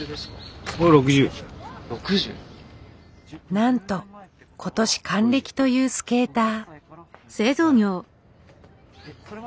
なんと今年還暦というスケーター。